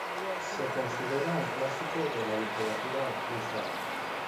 Se considera un clásico de la literatura rusa.